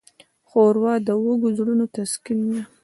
ښوروا د وږو زړونو تسکین ده.